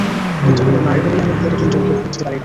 কিন্তু কেবল নারী বলেই আমি হিলারি ক্লিনটনকে ভোট দিতে পারি না।